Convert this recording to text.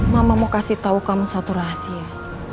mama mau kasih tahu kamu satu rahasia